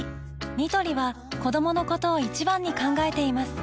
ニトリは子どものことを一番に考えています